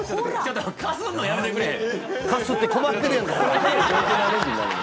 かするのやめてくれへん。